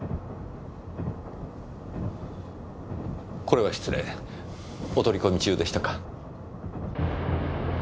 これは失礼お取り込み中でしたか。